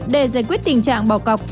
để giải quyết tình trạng bỏ cọc